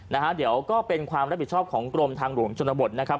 นะฮะเดี๋ยวของกรมทางหลวงชนบนนะครับ